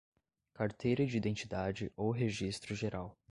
Carteira de Identidade ou Registro Geral